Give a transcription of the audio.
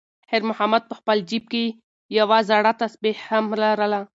خیر محمد په خپل جېب کې یوه زړه تسبېح هم لرله.